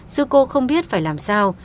sư cô không biết phải làm sao